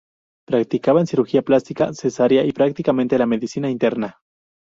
Practicaban cirugía plástica, cesaría y prácticamente la Medicina interna.